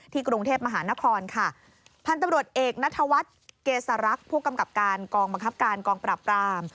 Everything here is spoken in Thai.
กรุงเทพมหานครค่ะพันธุ์ตำรวจเอกนัทวัฒน์เกษรักษ์ผู้กำกับการกองบังคับการกองปราบราม